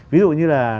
ví dụ như là